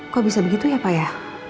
kok bisa begitu ya pak ya